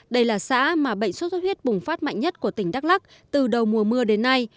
đây là xã mà bệnh sốt xuất huyết bùng phát mạnh nhất của tỉnh đắk lắc từ đầu mùa mưa đến nay